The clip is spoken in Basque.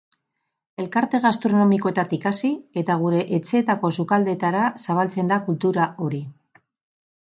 Elkarte gastronomikoetatik hasi, eta gure etxeetako sukaldeetara zabaltzen da kultura hori.